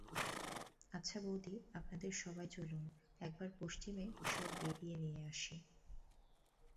-আচ্ছা বৌদি, আপনাদের সবাই চলুন, একবার পশ্চিমে সব বেড়িয়ে নিয়ে আসি।